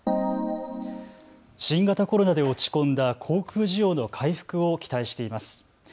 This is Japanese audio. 新型コロナで落ち込んだ航空需要の回復を期待しています。